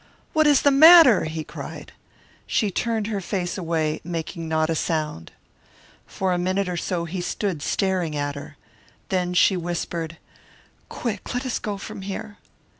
"What is the matter?" he cried. She turned her face away, making not a sound. For a minute or so he stood staring at her. Then she whispered, "Quick! let us go from here!"